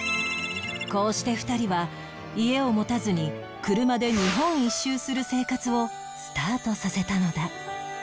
こうして２人は家を持たずに車で日本一周する生活をスタートさせたのだ